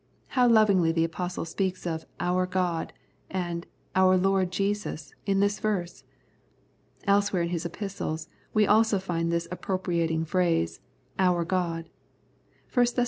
How lovingly the Apostle speaks of " our God " and " our Lord Jesus " in this verse ! Elsewhere in his Epistles we also find this appropriating phrase, " Our God " (i Thess.